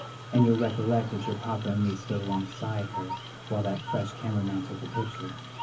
And you'll recollect that your papa and me stood alongside her while that fresh cameraman took the picture.